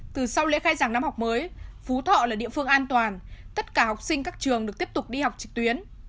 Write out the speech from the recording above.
từ sau lễ khai giảng năm học mới phú thọ là địa phương an toàn tất cả học sinh các trường được tiếp tục đi học trực tuyến